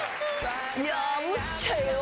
「むっちゃええわ」！